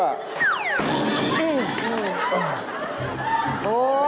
โอ้โห